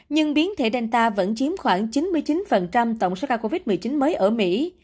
nhưng biến thể danta vẫn chiếm khoảng chín mươi chín tổng số ca covid một mươi chín mới ở mỹ